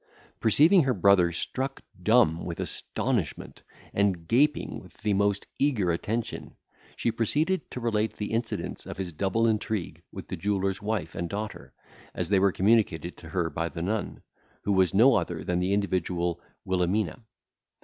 Perceiving her brother struck dumb with astonishment, and gaping with the most eager attention, she proceeded to relate the incidents of his double intrigue with the jeweller's wife and daughter, as they were communicated to her by the nun, who was no other than the individual Wilhelmina.